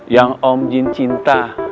yang om jin cinta